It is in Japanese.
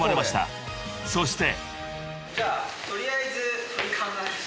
［そして］